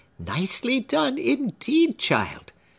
"Nicely done, indeed, child!"